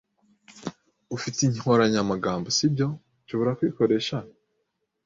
Ufite inkoranyamagambo, si byo? Nshobora kuyikoresha?